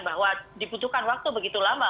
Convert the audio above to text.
bahwa dibutuhkan waktu begitu lama